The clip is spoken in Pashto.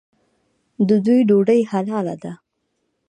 د دوی ډوډۍ حلاله ده.